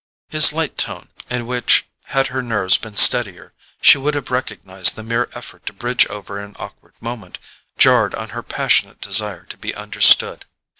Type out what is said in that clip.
His light tone, in which, had her nerves been steadier, she would have recognized the mere effort to bridge over an awkward moment, jarred on her passionate desire to be understood.